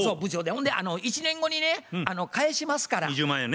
ほんで１年後にね返しますから２０万を。